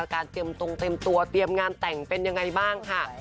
เตรียมตรงเตรียมตัวเตรียมงานแต่งเป็นยังไงบ้างค่ะ